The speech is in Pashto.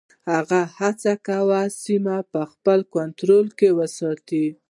هغوی هڅه کوله سیمه په خپل کنټرول کې وساتي.